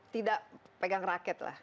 tidak pegang raket lah